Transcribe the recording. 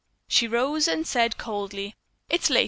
She rose and said coldly, "It is late.